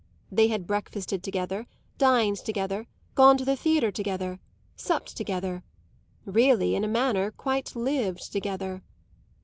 They had breakfasted together, dined together, gone to the theatre together, supped together, really in a manner quite lived together.